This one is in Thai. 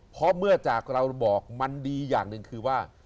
เพราะเมื่อจากเราบอกมันดีอย่างหนึ่งคือว่า